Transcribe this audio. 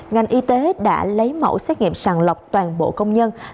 ngành y tế đã lấy mẫu xét nghiệm sàng lọc toàn bộ công nhân